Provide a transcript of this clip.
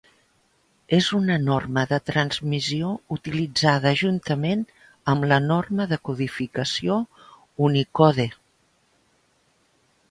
És una norma de transmissió utilitzada juntament amb la norma de codificació Unicode.